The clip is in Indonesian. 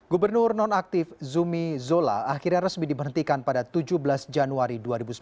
gubernur nonaktif zumi zola akhirnya resmi diberhentikan pada tujuh belas januari dua ribu sembilan belas